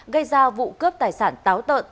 gây ra vụ cướp tài sản táo tợn